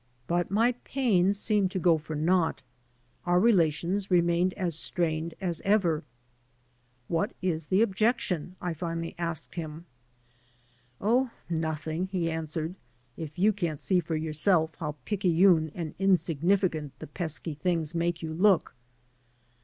But my pains seemed to go for naught; our relations remained as strained as ever. "What is the objection?" I finally asked him. "Oh, nothing," he answered, "if you can*t see for yourself how picayune and insignificant the pesky things make you look."